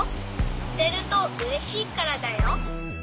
あてるとうれしいからだよ。